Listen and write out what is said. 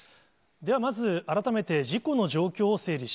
ではまず、改めて事故の状況